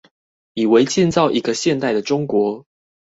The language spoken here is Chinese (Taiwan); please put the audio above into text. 以為建造一個現代的中國